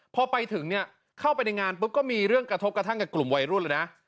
พอไปถึงเนี่ยเข้าไปในงานปุ๊บก็มีเรื่องกระทบกระทั่งกับกลุ่มวัยรุ่นเลยนะ